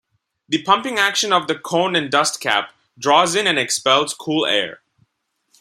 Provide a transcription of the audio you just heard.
The pumping action of the cone and dustcap draws in and expels cool air.